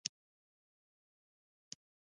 پر لستوڼو ټومبل شوي ستوري ولیدل، وېښتان یې خړ.